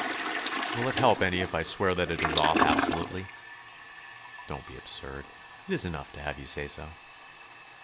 "Will it help any if I swear that that is off absolutely?" "Don't be absurd. It is enough to have you say so."